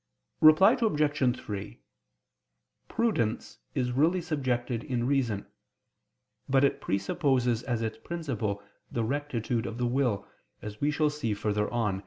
Reply Obj. 3: Prudence is really subjected in reason: but it presupposes as its principle the rectitude of the will, as we shall see further on (A.